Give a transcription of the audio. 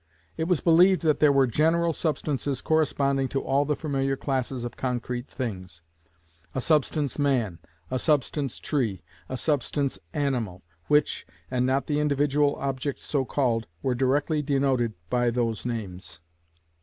It was believed that there were General Substances corresponding to all the familiar classes of concrete things: a substance Man, a substance Tree, a substance Animal, which, and not the individual objects so called, were directly denoted by those names.